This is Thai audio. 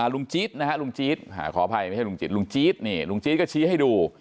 จี๊ดนะฮะลุงจี๊ดขออภัยไม่ใช่ลุงจี๊ดลุงจี๊ดนี่ลุงจี๊ดก็ชี้ให้ดู